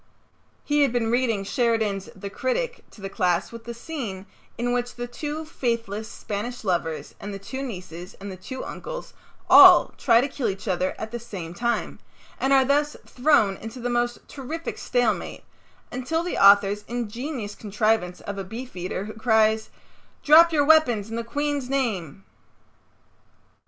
He had been reading Sheridan's "The Critic" to the class with the scene in which the two faithless Spanish lovers and the two nieces and the two uncles all try to kill each other at the same time, and are thus thrown into the most terrific stalemate until the author's ingenious contrivance of a beefeater who cries, "Drop your weapons in the Queen's name."